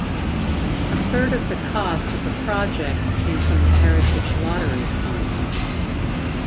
A third of the cost of the project came from the Heritage Lottery Fund.